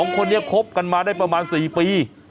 คนนี้คบกันมาได้ประมาณ๔ปี